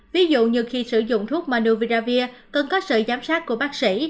ví dụ như khi sử dụng thuốc manuviravir cần có sự giám sát của bác sĩ